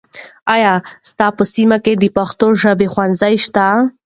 آیا ستا په سیمه کې د پښتو ژبې ښوونځي شته؟